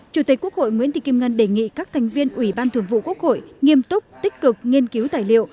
chủ tịch quốc hội nguyễn thị kim ngân đề nghị các thành viên ủy ban thường vụ quốc hội nghiêm túc tích cực nghiên cứu tài liệu